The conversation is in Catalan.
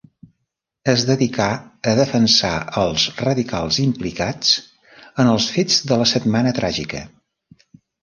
Es dedicà a defensar als radicals implicats en els fets de la Setmana Tràgica.